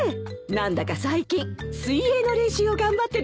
何だか最近水泳の練習を頑張ってるみたいで。